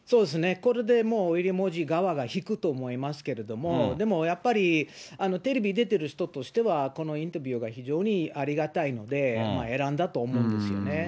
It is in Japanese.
これでもうウィリアム王子側が引くと思いますけれども、でも、やっぱりテレビ出てる人としては、このインタビューが非常にありがたいので、選んだと思うんですよね。